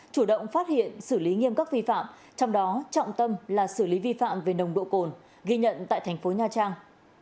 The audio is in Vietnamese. chủ động phát hiện xử lý nghiêm các vi phạm trong đó trọng tâm là xử lý vi phạm về nồng độ cồn ghi nhận tại thành phố nha trang